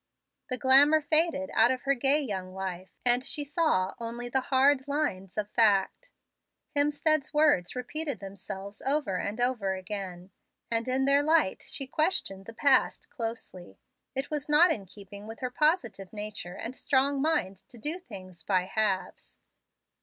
The glamour faded out of her gay young life, and she saw only the hard lines of fact. Hemstead's words repeated themselves over and over again, and in their light she questioned the past closely. It was not in keeping with her positive nature and strong mind to do things by halves.